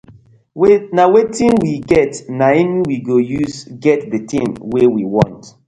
Na wetin we get naim we go use get di tin wey we want.